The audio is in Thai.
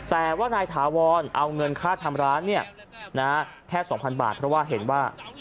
แต่ว่านายถาวรเอาเงินค่าทำร้านแค่๒๐๐บาทเพราะว่าเห็นว่า